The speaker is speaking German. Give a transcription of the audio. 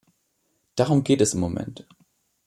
Darum geht es im Moment.